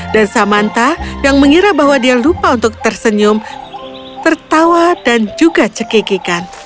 dan samantha yang mengira bahwa dia lupa untuk tersenyum tertawa dan juga cekikikan